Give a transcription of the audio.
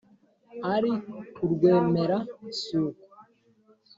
ari ku rwemera-suku